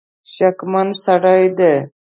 شکمن سړي دي.